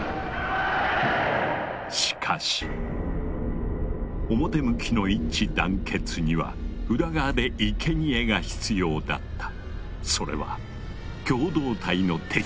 しかし表向きの一致団結には裏側でいけにえが必要だった。